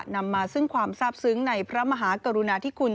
นำมาซึ่งความทราบซึ้งในพระมหากรุณาธิคุณ